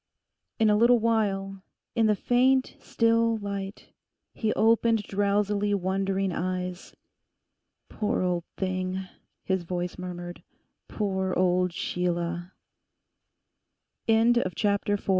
In a little while, in the faint, still light, he opened drowsily wondering eyes. 'Poor old thing!' his voice murmured, 'Poor old Sheila!' CHAPTER FIVE It